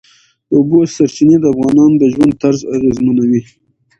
د اوبو سرچینې د افغانانو د ژوند طرز اغېزمنوي.